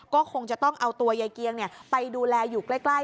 ก็คงจะต้องเอาตัวยายเกียงไปดูแลอยู่ใกล้